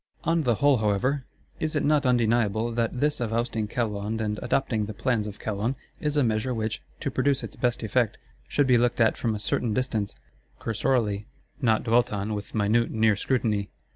On the whole, however, is it not undeniable that this of ousting Calonne and adopting the plans of Calonne, is a measure which, to produce its best effect, should be looked at from a certain distance, cursorily; not dwelt on with minute near scrutiny.